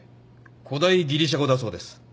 古代ギリシャ語だそうです。